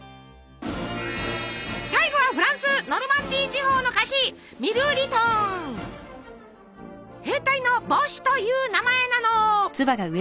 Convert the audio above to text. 最後はフランスノルマンディー地方の菓子「兵隊の帽子」という名前なの。